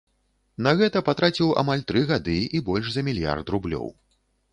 На гэта патраціў амаль тры гады і больш за мільярд рублёў.